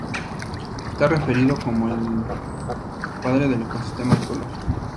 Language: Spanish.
Está referido como ""el padre del ecosistema ecológico"".